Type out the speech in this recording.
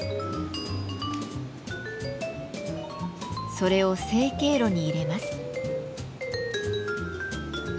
それを成形炉に入れます。